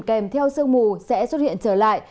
kèm theo sương mù sẽ xuất hiện trở lại